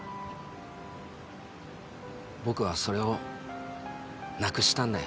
僕はそれをなくしたんだよ。